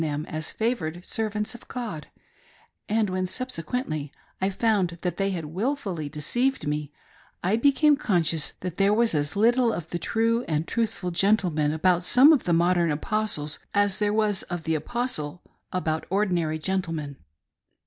them as favored servants of God ; and when subsequently I found that they had wilfully deceived me I became conscious that there was as little of the true and truthful geritlepian about some of the modern Apostles, as there was of the apos tle about ordinary gentlemen.